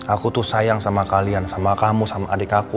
aku tuh sayang sama kalian sama kamu sama adik aku